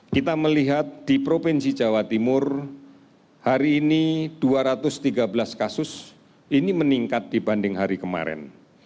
kita melihat di provinsi jawa timur hari ini dua ratus tiga belas kasus ini meningkat dibanding hari kemarin